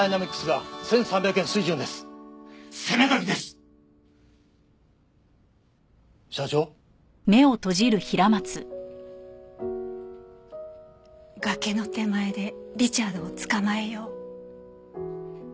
「崖の手前でリチャードをつかまえよう」。